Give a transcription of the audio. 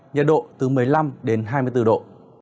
nhiệt độ từ một mươi năm đến hai mươi bốn độ